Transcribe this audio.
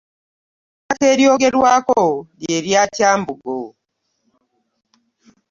Ettaka eryogerwako ly'erya Kyambogo